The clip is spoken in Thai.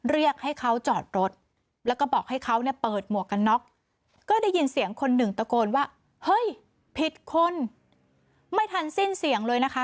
เรียกให้เขาจอดรถแล้วก็บอกให้เขาเนี่ยเปิดหมวกกันน็อกก็ได้ยินเสียงคนหนึ่งตะโกนว่าเฮ้ยผิดคนไม่ทันสิ้นเสียงเลยนะคะ